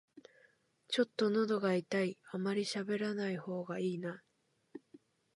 ちょっとのどが痛い、あまりしゃべらない方がいいな